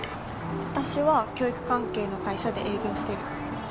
私は教育関係の会社で営業してる。